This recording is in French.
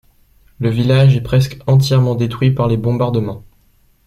Le village est presque entièrement détruit par les bombardements.